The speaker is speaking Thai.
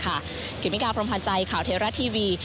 คิดมิการความพันธ์ใจข่าวเทราะทีวี